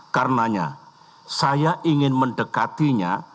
karenanya saya ingin mendekatinya